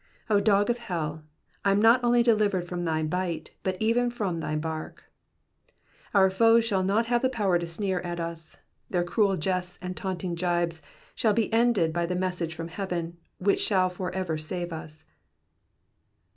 O dog of hell, I am not only delivered from thy bite, but even from thy bark. Our foes shall not have the power to sneer at us, their cruel jests and taunting gibes shall be ended by the message from heaven, which shall for ever save us.